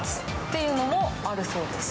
というのもあるそうです。